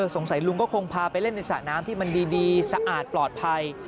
สงสัยลุงก็คงพาไปเล่นในสระน้ำที่มันดีสะอาดปลอดภัย